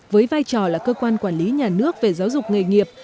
với vai trò là cơ quan quản lý nhà nước về giáo dục nghề nghiệp